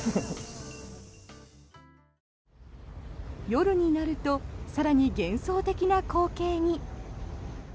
夜になると更に幻想的な光景に。